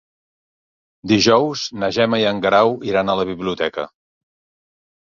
Dijous na Gemma i en Guerau iran a la biblioteca.